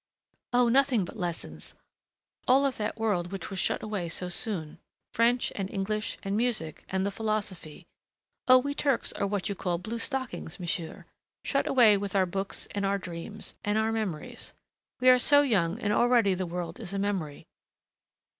"Oh, nothing but lessons all of that world which was shut away so soon.... French and English and music and the philosophy Oh, we Turks are what you call blue stockings, monsieur, shut away with our books and our dreams ... and our memories ... We are so young and already the real world is a memory....